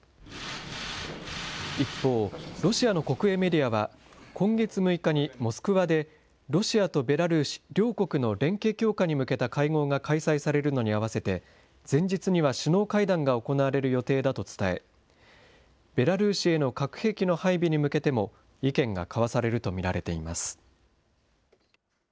一方、ロシアの国営メディアは、今月６日にモスクワでロシアとベラルーシ、両国の連携強化に向けた会合が開催されるのに合わせて、前日には首脳会談が行われる予定だと伝え、ベラルーシへの核兵器の配備に向けても意見が交わされると見られています。